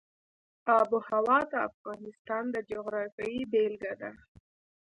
آب وهوا د افغانستان د جغرافیې بېلګه ده.